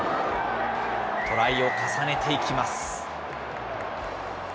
トライを重ねていきます。